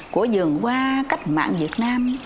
của giường hoa cách mạng việt nam